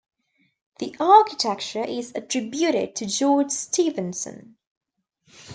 The architecture is attributed to George Stephenson.